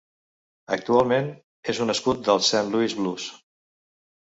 Actualment és un scout dels Saint Louis Blues.